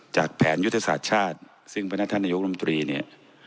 จากแผนยุทธศาสตร์ชาติซึ่งบรรณท่านนายกรมตรี